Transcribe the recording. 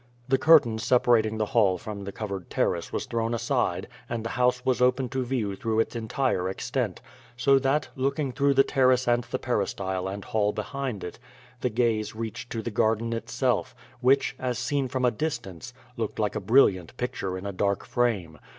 The curtain separating the hall from the covered terrace was thrown aside and the house was open to view through its entire extent, so that, looking through the terrace and the peristyle and hall behind it, the gaze reached to the gar den itself, which, as seen from a distance, looked like a bril liant picture in a dark frame.